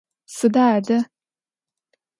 Сыда адэ?